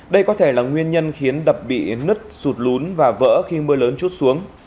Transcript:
đây có thể là nguyên nhân khiến đập bị nứt sụt lún và vỡ khi mưa lớn chút xuống